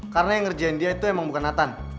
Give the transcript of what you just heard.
karena yang ngerjain dia itu emang bukan nathan